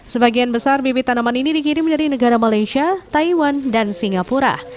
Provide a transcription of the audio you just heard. sebagian besar bibit tanaman ini dikirim dari negara malaysia taiwan dan singapura